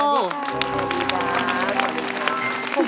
สวัสดีครับ